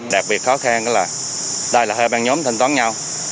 đặc biệt khó khăn là đây là hai ban nhóm thanh toán nhau